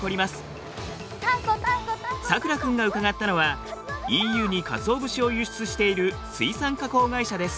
さくら君が伺ったのはＥＵにかつお節を輸出している水産加工会社です。